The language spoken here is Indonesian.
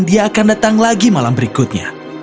dia akan datang lagi malam berikutnya